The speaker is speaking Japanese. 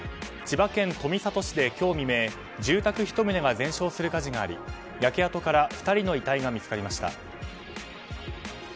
千葉県富里市で今日未明住宅１棟が全焼する火事があり焼け跡から２人の遺体が見つかりました。